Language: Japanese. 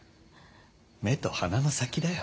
目と鼻の先だよ。